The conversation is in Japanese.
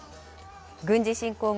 軍事侵攻後